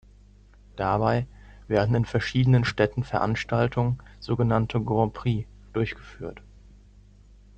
Dabei werden in verschiedenen Städten Veranstaltungen, sogenannte Grand-Prix, durchgeführt.